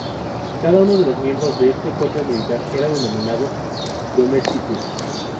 Cada uno de los miembros de este cuerpo militar era denominado domesticus.